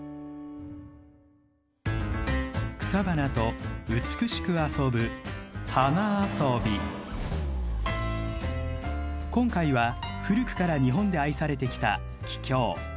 草花と美しく遊ぶ今回は古くから日本で愛されてきたキキョウ。